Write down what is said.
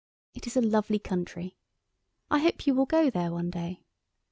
It is a lovely country. I hope you will go there some day.